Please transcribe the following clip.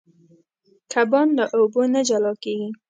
کبان له اوبو نه جلا کېږي.